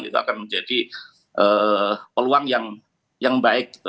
itu akan menjadi peluang yang baik